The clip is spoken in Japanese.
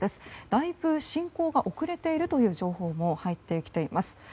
だいぶ進行が遅れているという情報も入ってきています。